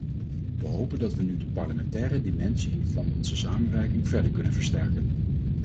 We hopen dat we nu de parlementaire dimensie van onze samenwerking verder kunnen versterken.